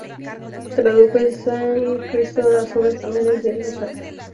Tradujo al sánscrito las obras tamiles de los Alvar.